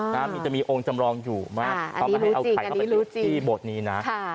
นี่จะมีองค์จำลองอยู่มากทำให้เอาไข่เข้าไปที่โบสถ์นี้นะ